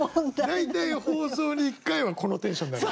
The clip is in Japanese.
大体放送に１回はこのテンションになる。